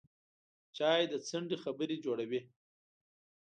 چای د څنډې خبرې جوړوي